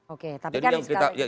oke tapi kan